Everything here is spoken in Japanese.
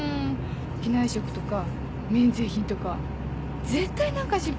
機内食とか免税品とか絶対何か失敗するー。